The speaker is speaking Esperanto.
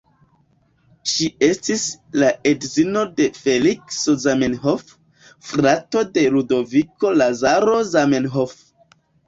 Ŝi estis la edzino de Felikso Zamenhof, frato de Ludoviko Lazaro Zamenhof.